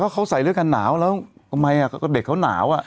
เขาใส่เสื้อกันหนาวแล้วอะไรอ่ะเด็กเขาหนาวอ่ะ